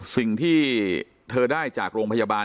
สิ่งที่เธอได้จากโรงพยาบาล